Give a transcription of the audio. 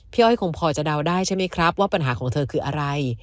อ้อยคงพอจะเดาได้ใช่ไหมครับว่าปัญหาของเธอคืออะไร